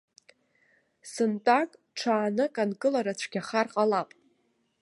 Сынтәак, ҽаанык анкылара цәгьахар ҟалап.